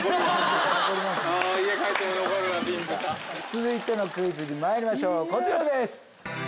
続いてのクイズにまいりましょうこちらです。